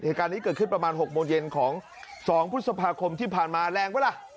เหตุการณ์นี้เกิดขึ้นประมาณ๖โมงเย็นของ๒พฤษภาคมที่ผ่านมาแรงไหมล่ะ